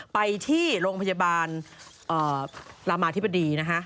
ไปที่โรงพยาบาลรามาธิบดีนะฮะ